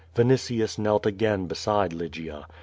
Vinitius knelt again beside Lygia.